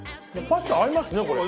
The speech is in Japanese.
パスタ合いますねこれ。